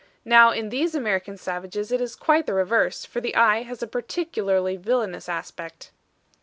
Now, in these American savages it is quite the reverse, for the eye has a particularly villainous aspect."